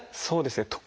そうですね。